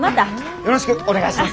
よろしくお願いします。